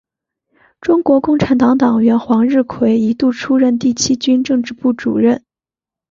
中国共产党党员黄日葵一度出任第七军政治部主任。